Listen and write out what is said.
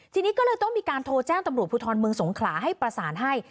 ทีนี้ก็เลยต้องมีการโทรแจ้งตำรวจภูทรเมืองสงขลาให้ประสานให้